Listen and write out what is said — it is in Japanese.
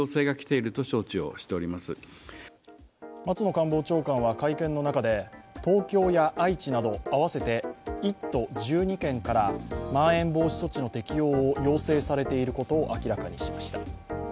松野官房長官は会見の中で東京や愛知など合わせて１都１２県からまん延防止措置の適用を要請されていることを明らかにしました。